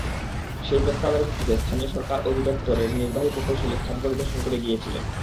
সেই প্রস্তাবের ভিত্তিতে স্থানীয় সরকার অধিদপ্তরের নির্বাহী প্রকৌশলী স্থান পরিদর্শন করে গিয়েছিলেন।